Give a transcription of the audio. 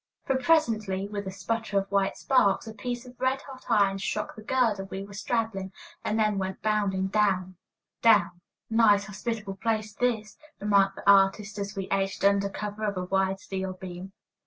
For presently, with a sputter of white sparks, a piece of red hot iron struck the girder we were straddling, and then went bounding down down "Nice, hospitable place, this!" remarked the artist, as we edged under cover of a wide steel beam.